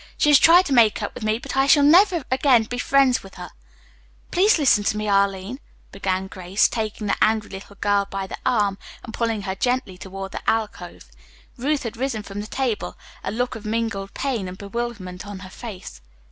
She has tried to make up with me, but I shall never again be friends with her." "Please listen to me, Arline," began Grace, taking the angry little girl by the arm and pulling her gently toward the alcove. Ruth had risen from the table, a look of mingled pain and bewilderment on her face.